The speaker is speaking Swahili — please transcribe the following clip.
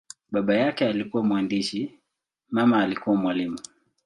Baba yake alikuwa mwandishi, mama alikuwa mwalimu.